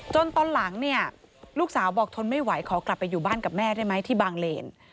ตอนหลังเนี่ยลูกสาวบอกทนไม่ไหวขอกลับไปอยู่บ้านกับแม่ได้ไหมที่บางเลน